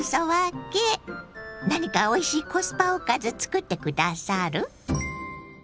何かおいしいコスパおかずつくって下さる？